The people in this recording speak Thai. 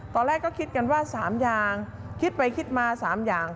ตอนแรกก็คิดกันว่า๓อย่างคิดไปคิดมา๓อย่าง